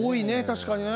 確かにね。